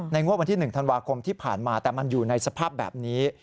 งวดวันที่๑ธันวาคมที่ผ่านมาแต่มันอยู่ในสภาพแบบนี้